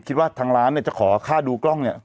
คิดว่าทางร้านเนี่ยจะขอค่าดูกล้องเนี่ย